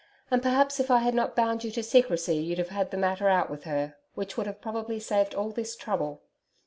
And perhaps if I had not bound you to secrecy you'd have had the matter out with her, which would probably have saved all this trouble.